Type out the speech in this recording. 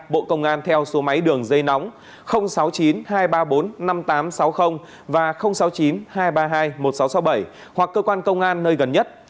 bộ công an theo số máy đường dây nóng sáu mươi chín hai trăm ba mươi bốn năm nghìn tám trăm sáu mươi và sáu mươi chín hai trăm ba mươi hai một nghìn sáu trăm sáu mươi bảy hoặc cơ quan công an nơi gần nhất